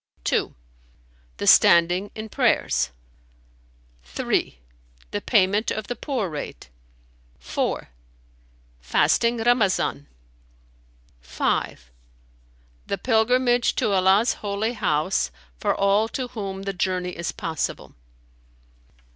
(2) The standing in prayers.[FN#299] (3) The payment of the poor rate. (4) Fasting Ramazan. (5) The Pilgrimage to Allah's Holy House for all to whom the journey is possible.